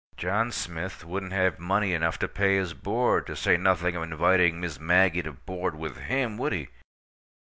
John Smith wouldn't have money enough to pay his board, to say nothing of inviting Miss Maggie to board with him, would he?